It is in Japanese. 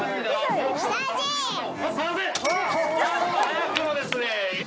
早くもですね。